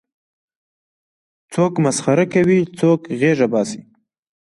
څوک مسخرې کوي څوک غېږه باسي.